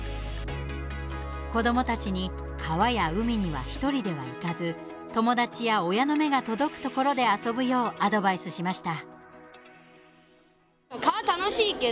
子どもたちに川や海には１人では行かず友達や親の目が届くところで遊ぶようアドバイスしました。